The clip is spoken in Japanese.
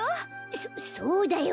そそうだよ。